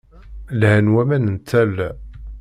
Lhan waman n tala.